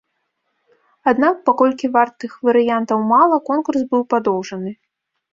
Аднак, паколькі вартых варыянтаў мала, конкурс быў падоўжаны.